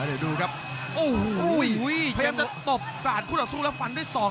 เดี๋ยวดูครับโอ้โหพยายามจะตบกาดคู่ต่อสู้แล้วฟันด้วยศอก